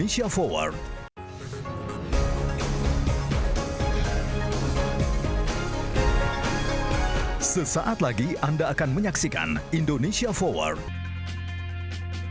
sesaat lagi anda akan menyaksikan indonesia forward